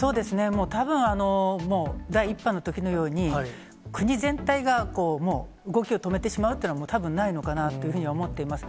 もうたぶん、第１波のときのように、国全体がもう動きを止めてしまうというのは、たぶんないのかなというふうには思っています。